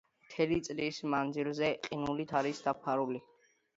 მთელი წლის მანძილზე ყინულით არის დაფარული.